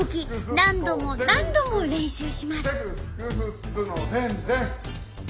何度も何度も練習します。